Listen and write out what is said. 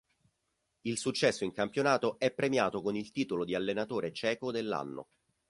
Il successo in campionato è premiato con il titolo di allenatore ceco dell'anno.